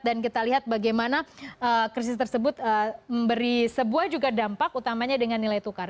dan kita lihat bagaimana krisis tersebut memberi sebuah juga dampak utamanya dengan nilai tukar